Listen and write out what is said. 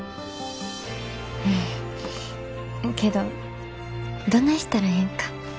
うんけどどないしたらええんか。